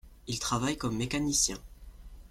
Il travaille comme mécanicien.